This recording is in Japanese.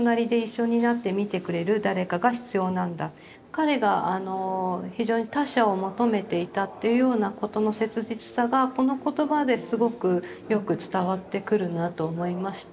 彼が非常に他者を求めていたというようなことの切実さがこの言葉ですごくよく伝わってくるなと思いまして。